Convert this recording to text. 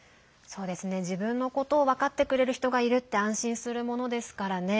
自分のことを分かってくれる人がいるって安心するものですからね。